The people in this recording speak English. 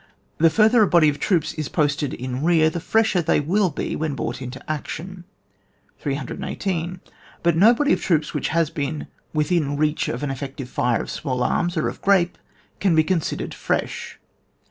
The ftirther a body of troops is posted in rear, the fresher they will be when brought into action. 818. But no body of troops which has been within reach of an effective fire of small arms, or of grape, can be considered fresh.